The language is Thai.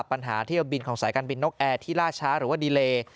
ปัญหาเที่ยวบินของสายการบินนกแอร์ที่ล่าช้าหรือว่าดีเล